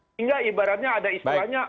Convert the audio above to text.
hingga ibaratnya ada istilahnya